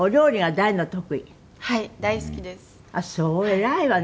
偉いわね。